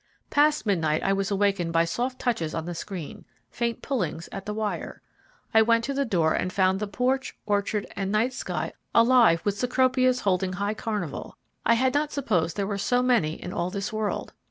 Past midnight I was awakened by soft touches on the screen, faint pullings at the wire. I went to the door and found the porch, orchard, and night sky alive with Cecropias holding high carnival. I had not supposed there were so many in all this world.